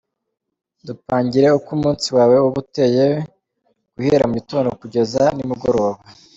com :Dupangire uko umunsi wawe uba uteye guhera mu gitondo kugeza nimugoroba?.